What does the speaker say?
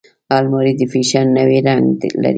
الماري د فیشن نوی رنګ لري